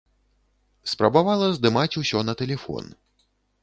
Спрабавала здымаць усё на тэлефон.